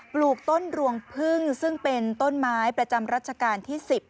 ปลูกต้นรวงพึ่งซึ่งเป็นต้นไม้ประจำรัชกาลที่๑๐